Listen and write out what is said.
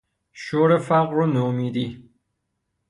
شور فقر و نومیدی